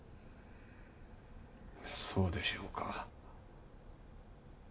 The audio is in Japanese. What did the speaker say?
そうでしょうか？